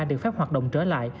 được phép hoạt động trở lại